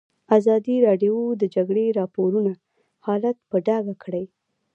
ازادي راډیو د د جګړې راپورونه حالت په ډاګه کړی.